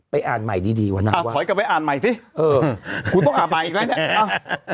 ไปอ่านใหม่ดีว่านางว่าอะขอยกันไปอ่านใหม่สิคุณต้องอ่านใหม่อีกแล้วเนี่ย